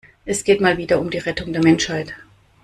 Es geht mal wieder um die Rettung der Menschheit.